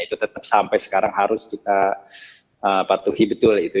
itu tetap sampai sekarang harus kita patuhi betul itu